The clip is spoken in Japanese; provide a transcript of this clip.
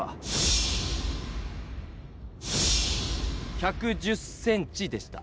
１１０ｃｍでした。